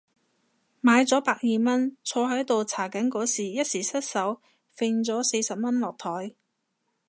買咗百二蚊，坐喺度搽緊嗰時一失手揈咗四十蚊落枱